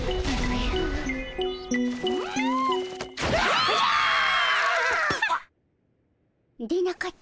えっ？